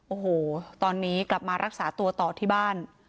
โอ้โหตอนนี้กลับมารักษาตัวต่อที่บ้าน